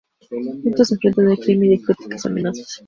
Juntos enfrentan el crimen y exóticas amenazas.